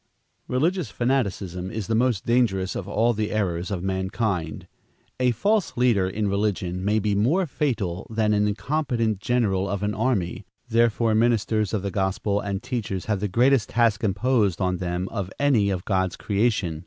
Religious fanaticism is the most dangerous of all the errors of mankind. A false leader in religion may be more fatal than an incompetent general of an army, therefore ministers of the gospel and teachers have the greatest task imposed on them of any of God's creation.